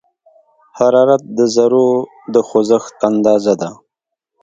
حرارت د ذرّو د خوځښت اندازه ده.